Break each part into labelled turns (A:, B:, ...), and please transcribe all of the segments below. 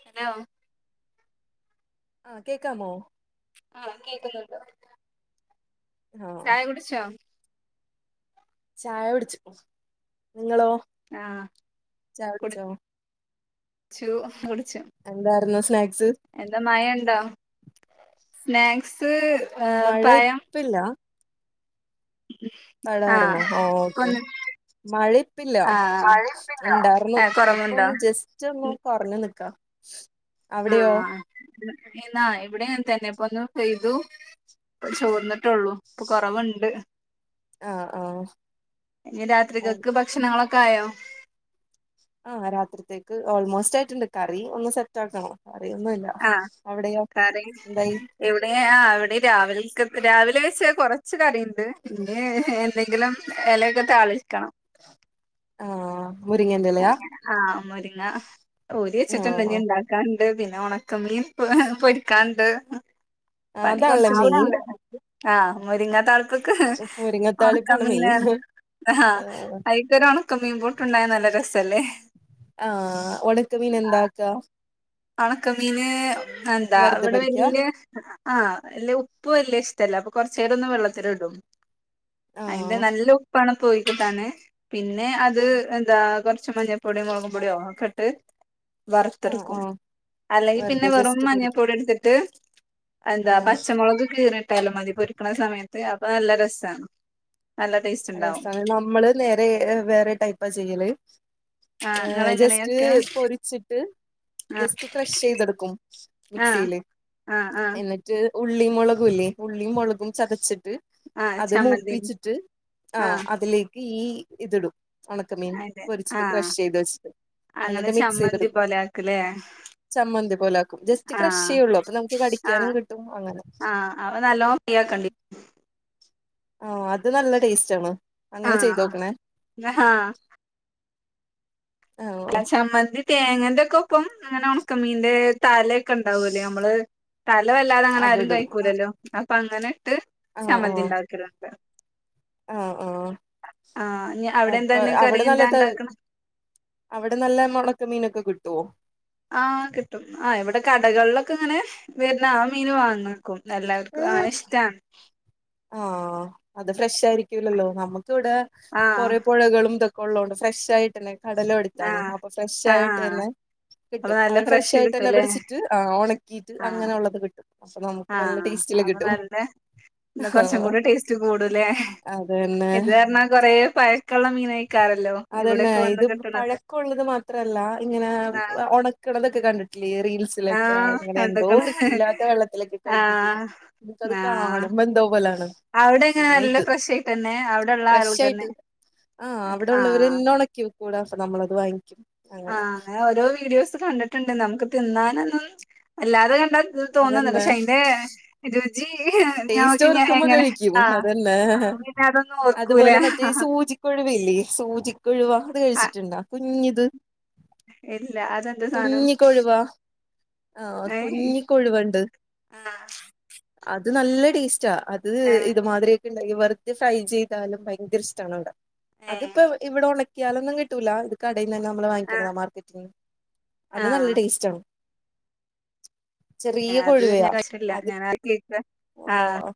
A: Hello.
B: ആ കേക്കാമോ?
A: ആ കേക്കുന്നുണ്ട്
B: ആ
A: ചായ കുടിച്ചോ.
B: ചായ കുട് ച്ചുകുണു നിങ്ങളോ ചായ പിടിച്ചോ?
A: ച്ചു.
B: എന്തായിരുന്നു സ്
A: എന്താ മയ ഉണ്ടോ സ്നാക്സ്. ഏ,
B: മഴ
A: പഴം
B: ഇപ്പില്ല. പടായി
A: ആഹ്
B: [unintelligible] ആ ഓക്കേ
A: ഒന്ന്
B: മഴിപ്പില്ല.
A: ആഹ്
B: ഉണ്ടാർന്നു
A: ഏഹ്
B: ഇപ്പൊ
A: കൊറവുണ്ടോ
B: ഒന്ന് ജസ്റ്റ് ഒന്ന് കൊർഞ്ഞു ന്ന്ക്കാ. അവിടെയോ?
A: ആഹ് എന്നാ എവടേങ്ങൻതന്നെ ഇപ്പൊന്ന് പെയ്തു. ഇപ്പ ചോർന്ട്ടുള്ളൂ ഇപ്പൊ കുറവ്ണ്ട്.
B: ആ ആ
A: ഇനി രാത്രികക്ക് ഭക്ഷണങ്ങളൊക് കായോ.
B: ആ രാത്രിത്തേക്ക് ഓൾമോസ്റ്റ് ആയിട്ടുണ്ട് കറി ഒന്ന് സെറ്റാ ആക്കണം. കറിയൊന്നുമില്ല
A: ആ
B: അവിടെയോ
A: കറി
B: എന്തായി
A: ഇവിടെ ഇവിടെ രാവിൽ ക രാവിലെ വെച്ചാ കൊറച്ച് കറിുണ്ട് പിന്നെ എന്തെങ്കിലും ഇലയൊക്കെ താളിക്കണം.
B: ആ മുരിങ്ങന്റെ ഇലയാ
A: ആ മുരിങ്ങ ഊരി
B: ആ
A: വെചിട്ട്ണ്ട് ഞ്ഞി ഇണ്ടാക്കാ ണ്ട് പിന്നെ ഉണക്ക മീൻ പൊക്കാണ്ട് പണി
B: ആ,
A: പണി
B: അതാണല്ലേ
A: കൊറച്ചു
B: മെയിൻ
A: കൂടിണ്ട്. ആഹ് മുരിങ്ങാ താ പ്പ്ക്ക്ഹ്
B: മുരിങ്ങത്താളിപ്പാണ്
A: ഉണക്കമീ
B: മെയിൻ
A: നാണ് ആഹ അയികൊര് ണ ഒക്ക മീൻപോട്ട്ണ്ടായ നല്ല രസല്ലേ?
B: ആ ഉണക്ക മീൻ എന്താക്കാ.
A: ഒണക്കമീന് എന്താ
B: വറുതെ
A: ഇവ്ടെ
B: പൊരിക്കാ
A: വല്ല്യയ ആ വല്യ ഉപ്പ് വല്യ ഇഷ്ട്ടല്ല. കുറചേരൊന്ന് വെള്ളത്തി ലിടും. അതിന്റെ
B: ആഹ്
A: നല്ല ഉപ്പാണ് പോയി [unintelligible] ണ് പിന്നെ അത് എന്താ കുറച്ച്. ച് മഞ്ഞ പൊടിയോ മുളകും പൊടിയോ ഒക്കെട്ട്
B: ആഹ്
A: വറുത്തെടുക്കും.
B: ആഹ്
A: അല്ലെങ്കിൽ പിന്നെ
B: വെറുതെ
A: വെറും
B: ജസ്റ്റ് പൊരിക്കും
A: മഞ്ഞപ്പൊടി ട്ത്ട്ട് എന്താ
B: ആഹ്
A: പച്ചമുളക് കീറി് ട്ടാലുംമതി പൊരിക്കണ സമയത്ത് അപ്പൊ നല്ല രസാണ്. നല്ല ടേസ്റ്റ് ഉണ്ടാവും
B: അസാണ് നമ്മള് നേരെ വേറെ ടൈപ്പാ ചെയ്യല്.
A: ആഹ് നിങ്ങളെങ്ങനെ
B: ജസ്റ്റ്
A: വെക്കാ
B: പൊരിച്ചിട്ട്. ട്ട്
A: ആഹ്
B: ജെസ്റ്റ് ക്രഷ് ചെയ്തെടുക്കും
A: ആഹ്
B: മിക്സില്
A: ആഹ് ആഹ്
B: എന്നിട്ട്. ഉള്ളി മുളകുംല്ലേ ഉള്ളി മുളകും ചതച്ചിട്ട്
A: ആഹ്
B: അത്
A: ചമ്മന്തിന്
B: മൂപ്പിച്ചിട്ട്. ആ
A: ആഹ്
B: അതിലേക്ക് ഈ ഇത്ടും. ഉണക്കമീൻ
A: അതെ
B: പൊരിച്ചിട്ട്
A: ആഹ്
B: ക്രഷ് ചെയ്ത് വെച്ചത്
A: അങ്ങനെ
B: എന്നിട്ട് മിക്സ്
A: ചമ്മന്തി
B: ചെയ്തീടും.
A: പോലെ ആക്കലേ
B: ചമ്മന്തി പോല ആാക്കും ജസ്റ്റ് ക്രഷ്
A: ആഹ്
B: യ്യൊള്ളൂ അപ്പൊ നമുക്ക് കടിക്കാനും
A: ആഹ്
B: കിട്ടും അങ്ങനെ.
A: കണ്ടി.
B: ആ അത് നല്ല ടേസ്റ്റ് ആണ്.
A: ആ
B: അങ്ങനെ
A: ആ
B: ചെയ്തോക്കണേ
A: ഇന്നാ ഹാ. നല്ല
B: ആഹ്
A: ചമ്മന്തി തേങ്ങന്റെ ഒക്കോപ്പം അങ്ങനെ ഉണക്ക മീന്റെ. തലയൊക്കെ ഉണ്ടാവൂലേ നമ്മള് തല വല്ലാതെ അങ്ങനെ ആരും
B: അതിടും
A: കഴിക്കൂലല്ലോ അപ്പ അങ്ങനെ. ത് സമ്മന്തി ഇണ്ടാക്കലുണ്ട്.
B: ആ ആ
A: ആഹ് അവിടെ എന്താ
B: അപ്പൊ
A: കറി
B: അവിടെ
A: എന്താ
B: നല്ലതര്.
A: ഉണ്ടാക്കണെ
B: അവിടെ നല്ല മുണക് മീനൊക്കെ കിട്ടോ.
A: ആഹ് കിട്ടും ആ് ഇവിടെ കടകളിലൊക്കെ ഇങ്ങനെ വരുന്ന ആ മീൻ വാങ്ങക്കും. ല്ലർവർക്ക് അങ്ങനെ ഇഷ്ട്ടാണ്.
B: ആ അത് ഫ്രഷ് ആയിരിക്കൂല്ലല്ലോ നമുക്ക് ഇവിടെ
A: ആഹ്
B: കുറെ പുഴകളുംതക്കെ കൊള്ളണ്ട് ഫ്രഷ് ആയിട്ട് തന്നെ കടല എടുത്താണ്
A: ആഹ്
B: അപ്പൊ ഫ്രഷ് ആയിട്ട്
A: ആഹ്
B: തന്നെ
A: അപ്പൊ
B: കിട്ടും
A: നല്ല
B: അവര് ഫ്രഷ
A: ഫ്രഷ്
B: ആയിട്ട് തന്നെ
A: കിട്ടുംല്ലേ
B: പിടിച്ചിട്ട് ആ ഉണക്കിയിട്ട്
A: ആഹ്
B: അങ്ങനെയുള്ളള്ളത് കിട്ടും അപ്പൊ നമുക്ക് നല്ല ടേസ്റ്റ്ല് കിട്ടും
A: ന്ന കുറച്ചും
B: ആഹ്
A: കൂടി ടേസ്റ്റ് കൂടലേ
B: അതന്നെ
A: ഇത് റഞ്ഞാ കൊറെേ പഴക്കുള്ള മീനായി
B: അതന്നെ ഇത് പഴക്കമുള്ളത് മാത്രല്ല ഇങ്ങനെ
A: ആഹ്
B: ഉണക്കണതൊക്കെ കണ്ടിട്ടില്ലേ റി ലൊക്കെ
A: ആഹ്
B: ഇങ്ങനെ എന്തോ
A: കണ്ട്ക്ക്ണ്
B: വൃത്തിയില്ലാത്ത വെള്ളത്തിലൊക്കെ കഴികീട്ട്
A: ആഹ്
B: നിക്ക് കാണ്പോ എന്തോ ലാണ്
A: അവിടെങ്ങനെ നല്ല ഫഷ ആട്ട് തന്നെ അവിടെള്ള ആൾക്ക് തന്നെ
B: ആ അവിടെള്ളവര്ന്നെ ഉണക്കും കൂടാ നമ്മളത് വാങ്ങിക്കും
A: ആ അങ്ങനെ ഓരോ വീഡിയോസ് കണ്ടിട്ടുണ്ട് നമുക്ക് തിന്നാനൊന്നും അല്ലാതെ തോന്നുന്നില്ല
B: അതന്നെ
A: പക്ഷെ അയിന്റെ ഇത്
B: ടേസ്റ്റ്
A: ഞക്ക് ൻ
B: ഓർക്കുമ്പോ
A: എങ്ങനെ
B: കഴിക്കും
A: ആ
B: അതന്നെ
A: പിന്നെ അതൊന്നും ഓർക്കൂല
B: കൊയുവല്ലേ സൂചിക്കൊഴുവാ അത്
A: ആഹ്
B: കഴിച്ചിട്ടുണ്ട കുഞ്ഞ
A: ഇല്ല അതെന്ത് സാനം
B: കുഞ്ഞിക്കൊഴിവ ആ
A: ഏഹ്
B: കുഞ്ഞിക്കൊഴിവുണ്ട്
A: ആഹ്
B: അത് നല്ല നല്ല ടേസ്റ്റാ അത്
A: ഏഹ്
B: ഇത്മാതിരി ഒക്കെ ഉണ്ടായി വെറുത്തി ഫ്രൈ ചെയ്താലും ഭയങ്കര ഇഷ്ടണ അവിടെ
A: ഏഹ്
B: അതിപ്പോ ഇവിടെ ഉണക്കിയാലൊന്നും കിട്ടുല്ല ഇത് കടയിന്ന് തന്നെ നമ്മൾ
A: ആഹ്
B: വാങ്ങിക്കണതാ മാർക്കറ്റി അത് നല്ല
A: ആഹ്
B: ടേസ്റ്റ് ആണ് ചെറിയ
A: അത്
B: കൊഴുവയാ
A: ഞാൻ കഷ്ടില്ല
B: അത്
A: ഞാന ആ
B: ആഹ്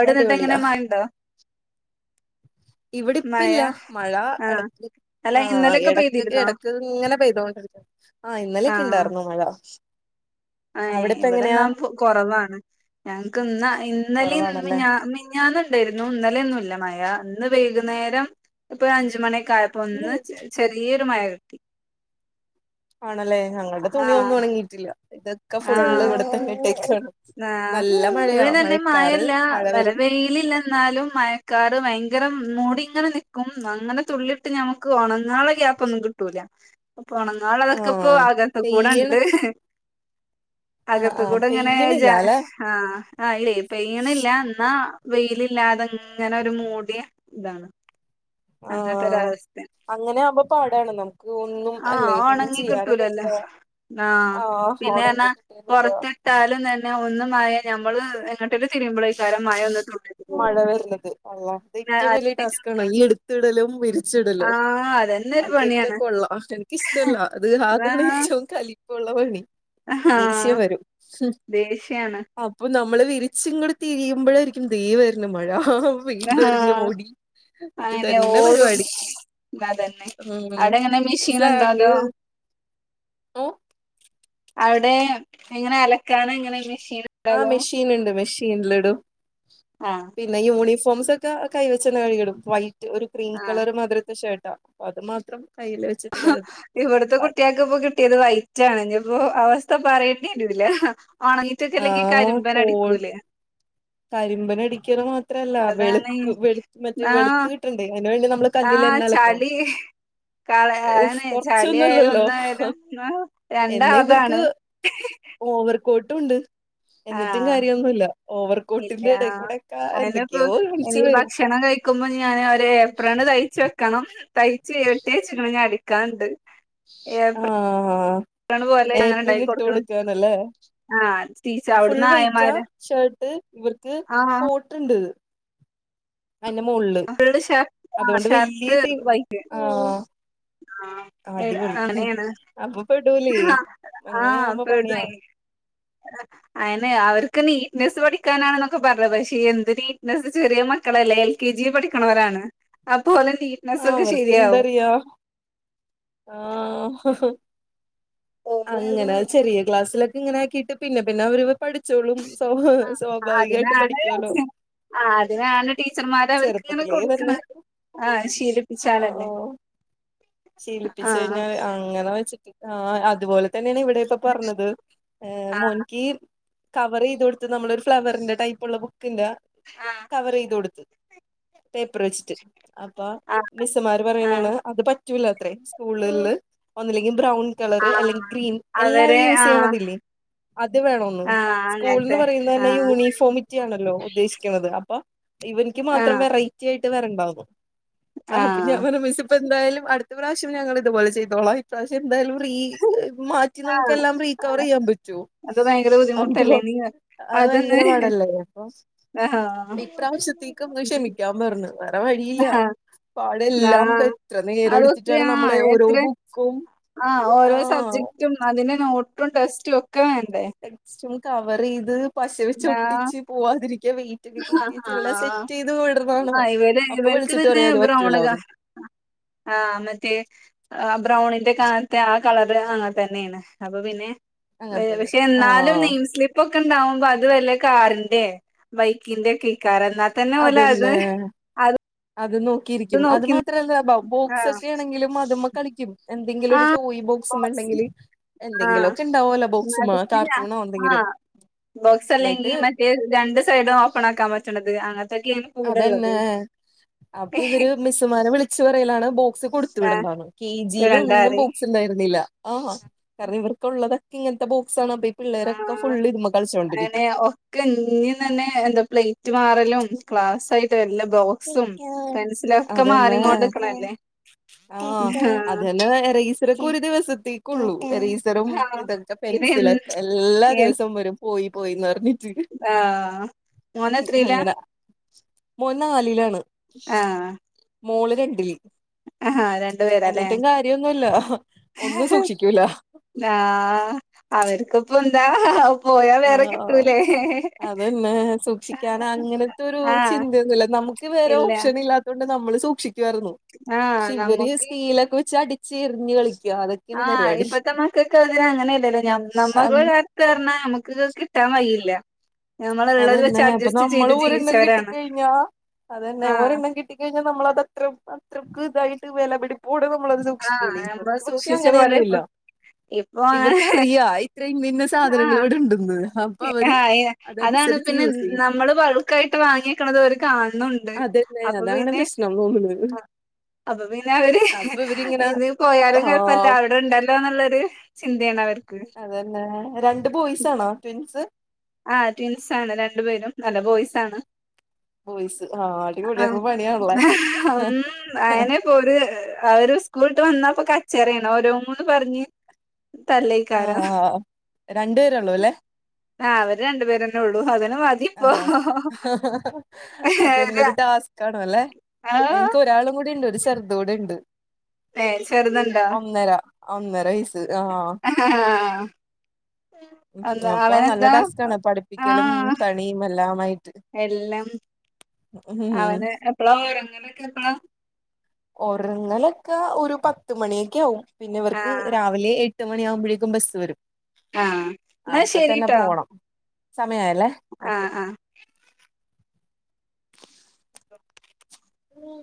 B: അത് അടിപൊളിയാ
A: എങ്ങനെ മയ് ണ്ടോ
B: ഇവിടെ ഇപ്പ ഇല്ല മഴ ഇടക്ക്
A: അല്ല
B: ആ്
A: ഇന്നലെയൊക്കെ
B: ഇടക്ക്
A: പെയ്തിരുന്നോ
B: ഇടക്ക് ഇങ്ങനെ പെയ്തൊണ്ട് ആ ഇന്നലെയൊക്ക ഇണ്ടാർന്ന് മഴ
A: ഏ
B: അവിടെ ഇപ്പ
A: ഇവിടെ
B: എങ്ങനെയാ
A: എന്നാ കുറവാണ് ഞങ്ങക്ക് ഇന്ന ന്നലെ
B: കൊറവാണല്ലേ
A: മിഞാ മിഞ്ഞാന്ന് യിരുന്നു ഇന്നലൊന്നും ഇല്ല മഴ ഇന്ന് വൈകുന്നേരം ഇപ്പൊ അഞ്ചു മണി കായപ്പ ഒന്ന് ചെറിയൊരു മഴ കിട്ടി
B: ആണല്ലേ ഞങ്ങളുടെ തുണിയ ഒന്നും
A: ആഹ്
B: ഉണങ്ങിയിട്ടില്ല ഇതൊക്കെ ഫുള്ള് ഇവിടെത്തന്നെ ഇട്ടേക്ക
A: ആ എവിടെ തന്നെ മായല്ല
B: മഴ
A: വ
B: വരും
A: വെയിലില്ല എന്നാലും മയക്കാർ ഭയങ്കര മൂടി ഇങ്ങനെ നി ക്കും അങ്ങനെ തുള്ളിട്ട് ഞമുക്ക് ഒണ ണങ്ങാൻള്ള ഗ്യാപന്നും കിട്ടൂല അപ്പൊ ഒണങ്ങാൻ അതൊക്കെ ഇപ്പൊ
B: ആഹ്
A: അകത്ത കൂടെ
B: പെയ്യണ്
A: ഉണ്ട്
B: ആഹ്
A: അകത്ത
B: ആഹ്
A: കൂടെ ഇങ്ങനെ ജ
B: പെയ്യണില്ല അല്ലെ
A: ആഹ് ആ ഇല്ലേ പയ്യ്ണി ല്ല എന്നാ വെയിലില്ലാതെങ്ങനെ ഒരു മൂടിയ ഇതാണ് അങ്ങനതൊര
B: ആഹ്
A: അവസ്ഥ
B: അങ്ങനെ ആവ്മ്പോ പാടാണ് നമുക്ക് ഒന്നും
A: ആഹ്
B: അല്ലേ ഒന്നും
A: ഒണങ്ങി
B: ചെയ്യാനും
A: കിട്ടൂലല്ലോ
B: പറ്റില്ല
A: ആഹ്
B: ആ
A: പിന്നെ റഞ്ഞ പൊറത്തിട്ടാലും തന്നെ ഒ ഒന്ന് മയ ഞമ്മള് എങ്ങോട്ടേലും തി രീമ്പളെ കാരം മയ ഒന്ന് തുള്ളിട്ട് പോകും
B: മഴ വരണത് അല്ലാഹ് അത് ഏറ്റവും വലിയ ടാസ്ക് ആണ് ഈ എടുത്തിടലും ച്ടലും
A: ആഹ് അതന്നെ ഒരു
B: ബാക്കിയൊക്കെ
A: പണിയാണ്
B: കൊള്ളാം എനിക്കിഷ്ടമല്ല അത് ആതാണ്
A: ആഹ്
B: ഏറ്റവും കലി ഇപ്പോള്ള പണി ഈശ
A: ആഹ്
B: വരും
A: ദേഷ്യാണ്
B: അപ്പൊ ന നമ്മള് വിരിച്ച ഇങ്ങൂടി തിരിയുമ്പോഴായിരിക്കും ദേ വരു ന്ന് മഴ ആ വീണ്ട ഇറങ്ങിയ
A: ആഹ്
B: ഓഡി ഇത് തന്നെ പരിപാടി
A: ഇ അതന്നെ
B: ഉം
A: അവിടെ എങ്ങനെ മെഷീൻ ണ്ടോ
B: സ്ലാങ്
A: അതോ
B: ഓ
A: അവിടെ എങ്ങനെ അലക്കാന എങ്ങനെണ്
B: ആഹ മെഷീൻ ഉണ്ട് മെഷീൻല് ഇടും
A: ആഹ്
B: പിന്നെ യൂണിഫോ ഫോംസ് ഒക്കെ കൈവച്ചന്നെ കഴികിടും വൈറ്റ് ഒരു ക്രീം
A: ആഹ്
B: കളർ മാതരത്തെ ഷർട്ടാ അപ്പോ അത് മാത്രം കയ്യിൽ വെച്ചിട്ട് കഴുകും
A: ഇവിടത്തെ കുട്ട്യാൾക്ക് ഇപ്പോ കിട്ടിയത് വൈറ്റാണ് ഇനീപ്പോ അവസ്ഥ പറയേണ്ടി വരൂല ഉണങ്ങിട്ടക്കെ ഇല്ലെങ്കി കരിമ്പൻ അടിക്കൂല്ലേ
B: കരിമ്പന് അടിക്ണ മാത്രല്ലെ
A: അതാണ്
B: വെളുക്കു വെളു മറ്റേ വെളുത്ത്
A: ആഹ്
B: കിട്ടണ്ടേ അയിൻ വേണ്ടി നമ്മള്
A: ആഹ്
B: കല്ലിലെന്നേ അലക്കണം
A: ചളി കള
B: ഓ്
A: അതാണ് ചളിയായാലും
B: കൊറച്ചൊന്നുംല്ലല്ലോ
A: ഒന്നായാലും ആഹ്
B: എന്നാ ഇവർക്ക്
A: രണ്ടാമതാണ്
B: ഓവർക്കോട്ടുണ്ട് എന്നിട്ടും
A: ആഹ്
B: കാര്യൊന്നുമല്ല ഓവർ
A: ഇല്ല
B: കോോട്ടിന്റെ ഇടക്കൂടെ ഒക്കെ എന്തൊക്കെയോ വിളിച്ചു വരോ
A: കിക്കുമ്പോ ഞാൻ ഒേപ്രണ് തയ്ച്ച വെക്കണം തയ്ച്ച് ഏട്ടി വെച്ചിക്കണ് ഇനി അടിക്കാൻണ്ട്
B: ആഹ
A: പോലെ അങ്ങനെ
B: ഏപ്രിൽ
A: ഉണ്ടാക്കി
B: ഇട്ട്
A: കൊടുക്കണം
B: കൊടുക്കുവാനല്ലേ
A: ആഹ് ടീച്ചർ
B: ആ ഫുൾ
A: അവിടുന്ന്
B: വൈറ്റാ
A: ആയമാര്
B: ഷേർട്ട് ഇവർക്ക്
A: ആഹ്
B: കോട്ട്ണ്ട്
A: അവള്
B: അതുകൊണ്ട് വലിയ
A: ാർട്ട
B: സീ
A: വൈക്ക്
B: ആഹ്
A: ആ
B: അടിപൊളി
A: അങ്ങനെയാണ്
B: അപ്പൊ പെടൂലേ അങ്ങനെ ആവുമ്പോ
A: ആഹപ്പ എടുന്ന
B: പണിയാ
A: അയിന അവര് നീറ്റ്നസ് പഠിക്കാനാണെന്നൊക്കെ പറഞ്ഞത് പക്ഷേ എന്ത് നീറ്റ്നസ്സ് ചെറിയ മക്കളല്ലേ എൽ കെ ജിൽ പഠിക്കണവരാണ് അതുപോലെ
B: ആ
A: നീറ്റ്നെസോക്കെ ശരിയാവും
B: ആ
A: ഓലത്
B: അങ്ങനെ ചെറിയ ക്ലാസ്സിലൊക്കെ ഇങ്ങനെ ആക്കിട്ട് പിന്നെ പിന്നെ അവര് പഠിച്ചോളും സ് സ്വാഭാവികായിട്ട് പഠിക്കലോ
A: ആ അതിനാണ് ടീച്ചർമാര് അവർക്കിങ്ങനെ
B: തന്നെ
A: കൊടുക്കുന്നത് ആഹ ശീലിപ്പിച്ചാളല്ലേ
B: ശീലിപ്പിച്ച കഴിഞ്ഞാൽ അങ്ങനെ വെച്ചിട്ട് ആ അതുപോലെ തന്നെയാണ് ഇവിടെ ഇപ്പൊ പറഞ്ഞത്
A: ആഹ്
B: മോൻകി കവർ ചെയ്ത് കൊടുത്ത നമ്മള ഒരു ഫ്ലവറിന്റെ ടൈപ്പുള്ള ബുക്കിന്റെ
A: ആഹ്
B: കവർ ചെയ്ത് കൊടുത്തത് പേപ്പർ വെച്ചിട്ട് അപ്പ
A: ആഹ്
B: മിസ്സുമാര് പറയുന്നാണ്
A: ആഹ്
B: അത് പാറ്റ്‌ റ്റുലത്രെ അ സ്കൂളിൽ ഒന്നെങ്കിൽ ബ്രൗൺ കളർ
A: ആഹ്
B: അല്ലെങ്കിൽ ഗ്രീൻ എല്ലാവരും
A: അവരെ
B: യൂസ്
A: ആഹ്
B: ചെയ്യണതില്ലേ അത് വേണോന്ന്
A: ആഹ് അങ്ങനത്തെ
B: സ്കൂൾന്ന് പറയുന്നത് തന്നെ
A: ആഹ്
B: യൂണിഫോമിറ്റി ആണല്ലോ ഉദ്ദേശിക്കുന്നത് അപ്പൊ ഇവനിക്ക് മാത്രം
A: ആഹ്
B: വെറൈറ്റി ആയിട്ട് വരണ്ടാന്നു അപ്പോ ഞാൻ
A: ആഹ്
B: പറഞ്ഞു മിസ്സിപ്പോന്തായാലും അടുത്ത അടുത്ത പ്രാവശ്യം ഞങ്ങ ഇതുപല ചെയ്തോള പക്ഷെ എന്തായാലും റീ മാറ്റി നമുക്ക്
A: ആഹ്
B: എല്ലാം റീക്കവർ ചെയ്യാൻ പറ്റോ
A: അത് ഭയങ്കര ബുദ്ധിമുട്ടല്ലേ നീ
B: അ അത്
A: അതൊന്ന്
B: ഭയങ്കര പാടല്ലേ അപ്പൊ
A: ആഹ്
B: അപ്പൊ ഇപ്രാവശ്യത്തേക്ക് ഒന്ന് ക്ഷമിക്കാൻ പറഞ്ഞു വേറെ വഴിയില്ല
A: ആഹ്
B: പാടെല്ലാം എത്രനേരെടുത്തു
A: ആ എത്ര ആ ഓരോ
B: ആഹ്
A: സബ്ജക്റ്റും അതിന്റെ നോട്ടും ടെസ്റ്റും ഒ
B: ടെസ്റ്റും കവർ ചെയ്ത് പശ വെച്ച്
A: ആഹ്
B: ഒട്ടിച്ച് പോവാതിരിക്കും ക്കാൻ വെയിറ്റൊക്കെ കേറ്റി വെച്ച് എല്ലാം സെറ്റ്
A: ആഹ്
B: ചെയ്ത് വിടുന്നാണ്
A: ആഹ് ഇവര്
B: അപ്പൊ വിളിച്ചിട്ട് പറയാ അത് പറ്റൂലാന്ന്
A: ആഹ മറ്റേ ആഹ ബ്രൗൺിന്റെ കാണത്തെ ആ കളർ അങ്ങനെ തന്നെയാണ് അപ്പൊ പിന്നെ
B: അങ്ങനത്തന്നെ
A: പക്ഷെ എന്നാലും
B: ആഹ്
A: നെയിം സ്ലിപ്പ് ഒക്കെ ണ്ടുമ്പോ അത് വല്ല കാറിന്റെ ബൈക്കിക്കി ന്റെ കാര എന്നാത്തന്നെ ഓര് അത്
B: അതന്നെ
A: അത്
B: അത് നോക്കിയിരിക്കും അത് മാത്രല്ല ബോക്സ് ഒക്കെ ആണെങ്കിലും അതിമ്മേ കളിക്കും എന്തെങ്കിലും ഒരു
A: ആഹ്
B: ടോയ് ബോക്സ്‌മ്മെ
A: ബോക്സ്
B: ഉണ്ടെങ്കിൽ
A: ആഹ്
B: എന്തെങ്കിലുമൊക്കെ ഉണ്ടാവോലൊ ബോക്സ്മ്മെ കാർട്ടൂണോ
A: ആ
B: എന്തെങ്കിലും
A: ബോക്സ്
B: എന്നിട്ട്
A: അല്ലെങ്കിൽ മറ്റേ രണ്ട് സൈഡും ഓപ്പൺ ആക്കാൻ പറ്റത് കവിടെള്ളത്
B: അതന്നെ അപ്പൊ ഇവര് മിസ്സുമാന വിളിച്ചു പറലാണ് ബോക്സ് കൊടുത്തു വിടേണ്ടന്ന് കെ ജി രീൽ ഒന്നും
A: ഇടണ്ടാറി
B: ബോക്സ് ഉണ്ടായിരുന്നില്ല ആ കാരണം ഇവർക്കുള്ളതൊക്കെ ഇങ്ങനത്തെ ബോക്സ് ആണ് ഈ
A: ആ
B: പിള്ളേരൊക്കെ ഫുള്ള് ഇതുമ്മെ
A: അങ്ങനെ
B: കളിച്ചോണ്ടിരിക്കും
A: ഒക്കെ ഇഞ്ഞ തന്നെ എന്താ പ്ലേറ്റ് മാറ ക്ലാസ് ആയിട്ട് വല്ല ബോക്സും പെൻസില ഒക്കെ മാറി കൊണ്ടക്കണല്ലേ
B: ആ അതെ ഏറെസർക്കെ ഒരു ദിവസത്തേക്ക ഉള്ളൂ എറീസറും
A: ആഹ്
B: ഇതൊക്കെ
A: ഇത്
B: പെൻസിലൊക്കെ എല്ലാ ദിവസം വരും പോയി പോയിന്ന് പറഞ്ഞ
A: ആ മോന് എത്രല്ല
B: അങ്ങനെ മോൻ നാലിലാണ് മോള് രണ്ട്
A: ആഹാ രണ്ടു പേരാല്ലേ
B: എന്നിട്ടും കാര്യൊന്നുല്ല ഒന്നും സൂക്ഷിക്കൂല
A: ആ അവർക്കിപ്പ എന്താ പോയാ വേറെ
B: ആഹ്
A: കിട്ടല്ലേ
B: അതന്നെ സൂക്ഷിക്കാൻ അങ്ങനത്തെ ഒരു
A: ആഹ്
B: ചിന്തയൊന്നുമല്ല നമുക്ക് വേറെ
A: ഇല്ല
B: ഓപ്ഷൻ ഇല്ലാത്തൊണ്ട് നമ്മള് സൂക്ഷികാരുന്നു
A: ആഹ്
B: പക്ഷെ ഇവര് സ്കെയിലൊക്കെ വെച്ച് അടിച്ചറിഞ കളിക്ക
A: ആ ഇപ്പത്തെമ്മക്കൊക്കതിന ങ്ങനെല്ലല്ലോ ഞ നമ്മക്ക്ത്ത്
B: അന്ന്
A: [unintelligible] പറഞ്ഞാ ക്ക് കിട്ടാൻ വയില്ല നഞമ്മള ള്ളത് വെച്ച്
B: അതന്നെ അപ്പൊ
A: അഡ്ജസ്റ്റ് ചെയ്ത് ജീവിച്ചവരാണ്
B: അതെന്നെ
A: ആഹ്
B: ഒരെണ്ണം കിട്ടിക്കഴിഞ്ഞാൽ നമ്മളതത്ത്ര അത്രക്ക് ഇതായിട്ട് വിലപിടിപ്പു കൂടെ നമ്മള അത്
A: ആഹ്
B: സൂക്ഷിക്കൂല്ലേ
A: നമ്മള്
B: ഇവർക്ക്
A: സൂക്ഷിച്ച പോലെ ഇപ്പ
B: പക്ഷെങ്ങനെന്നുല്ല
A: ഇപ്പൊ ആഹ്
B: ഇവർക്കറിയാ ഇത്രയും ഭിന്ന സാധനങ്ങളി വിടെണ്ടന്ന്
A: എ ആയി അതാണ് പിന്നെ ന്ന
B: ചെയ്യും
A: നമ്മള് പൾക്കായിട്ട് വാങ്ങിയക്കണത് വര് കാണുന്നുണ്ട് അപ്പൊ പിന്നെ
B: ഓനിന്നെ ന്
A: അപ്പൊ പിന്നെ അവര് എ ഇത് പോയാലും
B: ആ
A: കുഴപ്പല്ല അവിടുണ്ടല്ലോന്നുള്ളരു ചിന്തണ് അവര്
B: അതന്നെ രണ്ട് ബോയ്സാണോ ട്വിൻസ്
A: ആ ട്വിൻസാന് രണ്ടു പേരും നല്ല ബോയ്സാണ്
B: ബോയ്സ് ആ അടിപൊളി
A: ആ
B: അപ്പൊ പണിയാണല്ലേ
A: ഉം അയിനെപ്പോ ഒരു ആവരുസ്കൂളിട്ട് വന്നപ്പൊ കച്ചറേന് ഓരോ മുന്ന് പറഞ്ഞ്
B: ആ
A: തല്ലേക്കാരം
B: രണ്ടു പേരള്ളൂ ല്ലേ
A: ആ അവര് രണ്ടു പേരൊന്നൊള്ളൂ
B: ആണോ ആ ആ അതന്നരു
A: ഒരു-
B: ടാസ്ക് ണല്ലെ
A: ആ
B: എൻക്ക് ഒരാളും കൂടി ണ്ട് ഒരു ചെറുതൂ ടീണ്ട്
A: ഏ ചെറുത്ണ്ടോ
B: ഒന്നരയസ്സ്
A: ആ
B: ഉം.
A: എന്താ അവനദ ആ
B: പണിയുമെല്ലാമായിട്ട്
A: അവന എപ്പളാ ഒറങ്ങനൊക്കെ എപ്പളാ
B: ഉറങ്ങലൊക്കെ ഒരു പത്ത് മണിക്കെ ആവും
A: ആ
B: പിന്നെവർക്ക് രാവിലെ എ് ട്ട് മണിഴാവുമ്പോഴേക്കും ബസ്സ് വരും
A: ആ എന്നാ
B: അപ്പ തന്നെ പോണം സമഴായല്ലേ
A: ആ ആ
B: ഉം